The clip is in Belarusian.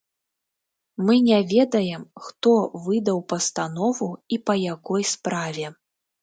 Мы не ведаем, хто выдаў пастанову і па якой справе.